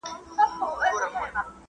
کمپيوټر مقدمه تعقيبوي.